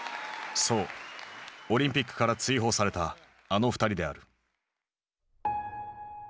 そうオリンピックから追放されたあの２人である。